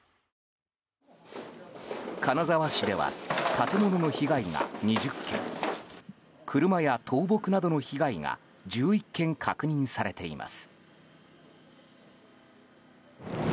金沢市では建物の被害が２０件車や倒木などの被害が１１件確認されています。